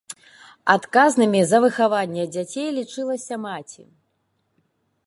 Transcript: Адказнымі за выхаванне дзяцей лічылася маці.